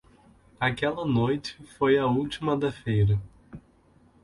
Aquela noite foi a última da feira.